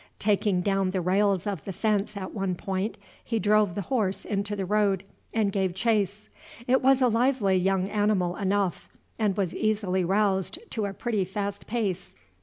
Taking down the rails of the fence at one point, he drove the horse into the road and gave chase. It was a lively young animal enough, and was easily roused to a pretty fast pace.